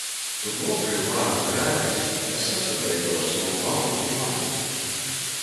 Kod luopeju bārnu drēbis, es sasateiku ar sovu babu i mamu.